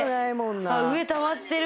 あっ上たまってる。